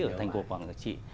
ở thành phố quảng ngọc trị